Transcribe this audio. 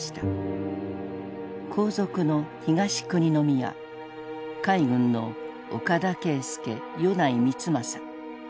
皇族の東久邇宮海軍の岡田啓介米内光政。